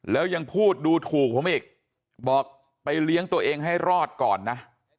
แล้วยังพูดดูถูกผมอีกบอกไปเลี้ยงตัวเองให้รอดก่อนนะ